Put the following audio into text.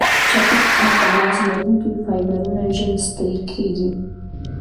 چټک انقباض لرونکي فایبرونه ژر ستړې کېږي.